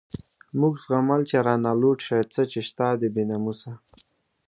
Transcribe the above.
موږ زغمل چی رانه لوټ شی، څه چی شته دی بی ناموسه